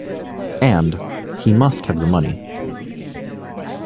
And — he must have the money.